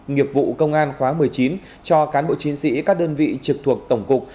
nghiệp vụ công an khóa một mươi chín cho cán bộ chiến sĩ các đơn vị trực thuộc tổng cục